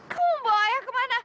kamu bawa ayah ke mana